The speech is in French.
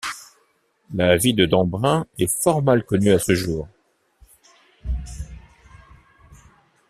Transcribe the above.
La vie de Dambrun est fort mal connue à ce jour.